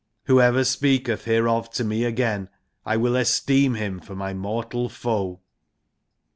\/ Who ever speaketh hereof to me again, I will esteem him for my mortal foe.'